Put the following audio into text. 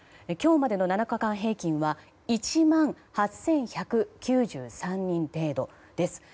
今日までの７日間平均は１万８１９３人程度です。